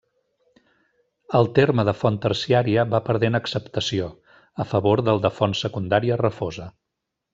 El terme de font terciària va perdent acceptació, a favor del de font secundària refosa.